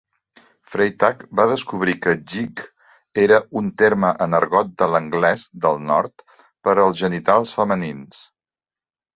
Freitag va descobrir que "gig" era un terme en argot de l'anglès del nord per als genitals femenins.